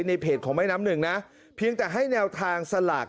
ในเพจของแม่น้ำหนึ่งนะเพียงแต่ให้แนวทางสลาก